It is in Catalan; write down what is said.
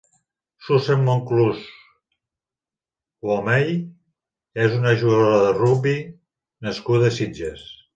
Susan Monclús Twomey és una jugadora de rugbi nascuda a Sitges.